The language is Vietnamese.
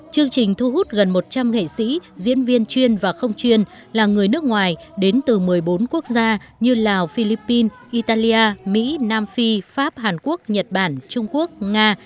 chương trình thu hút gần một trăm linh nghệ sĩ diễn viên chuyên và không chuyên là người nước ngoài đến từ một mươi bốn quốc gia như lào philippines italia mỹ nam phi pháp hàn quốc nhật bản trung quốc nga